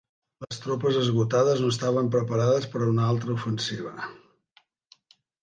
Les tropes esgotades no estaven preparades per a una altra ofensiva.